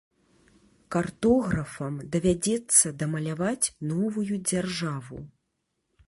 Картографам давядзецца дамаляваць новую дзяржаву.